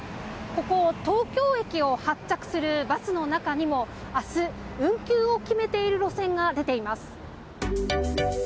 ここ、東京駅を発着するバスの中にも明日、運休を決めている路線が出ています。